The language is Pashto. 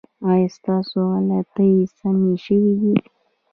ایا ستاسو غلطۍ سمې شوې دي؟